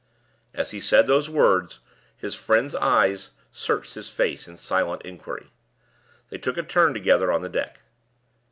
As he said those words, his friend's eyes searched his face in silent inquiry. They took a turn together on the deck.